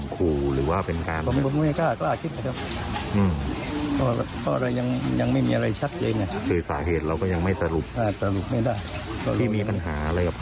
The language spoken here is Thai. คือสาเหตุเราก็ยังไม่สรุปที่มีปัญหาอะไรกับเขา